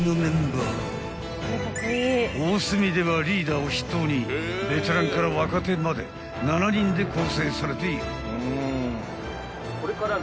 ［おおすみではリーダーを筆頭にベテランから若手まで７人で構成されている］